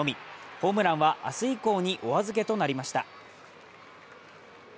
ホームランは明日以降にお預けとなりました。